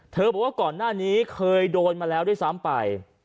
บอกว่าก่อนหน้านี้เคยโดนมาแล้วด้วยซ้ำไป